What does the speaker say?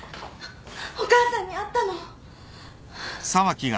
お母さんに会ったの！